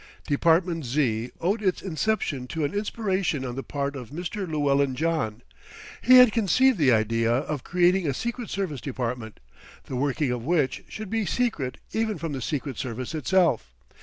Department Z. owed its inception to an inspiration on the part of Mr. Llewellyn John. He had conceived the idea of creating a secret service department, the working of which should be secret even from the Secret Service itself.